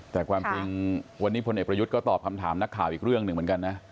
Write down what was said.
แต่ความจริงวันนี้พลเอกประยุทธ์ก็ตอบคำถามนักข่าวอีกเรื่องหนึ่งเหมือนกันนะ